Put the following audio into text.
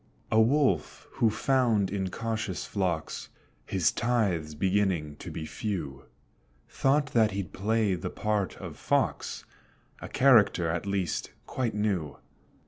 A Wolf who found in cautious flocks His tithes beginning to be few, Thought that he'd play the part of Fox, A character at least quite new.